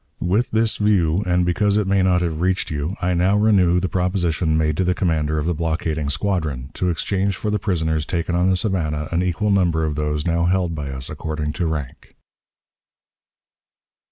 "With this view, and because it may not have reached you, I now renew the proposition made to the commander of the blockading squadron, to exchange for the prisoners taken on the Savannah an equal number of those now held by us according to rank."